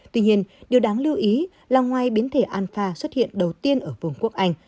tuy nhiên điều đáng lưu ý là ngoài biến thể alpha xuất hiện đầu tiên ở vùng quốc anh